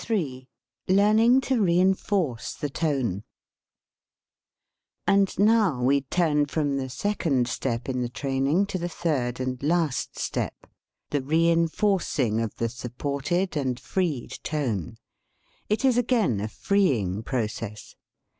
Ill LEARNING TO RE ENFORCE THE TONE AND now we turn from the second step in the training to the third and last step the re enforcing of the supported and freed tone. It is again a freeing process.